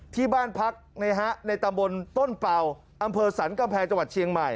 ที่บ้านพักในตำบลต้นเป่าอำเภอสรรกำแพงจังหวัดเชียงใหม่